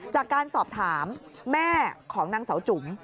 จากการสอบถามแม่ของนางเสาจุ๋ม